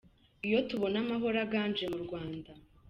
Iyo tubona amahoro aganje mu Rwanda,.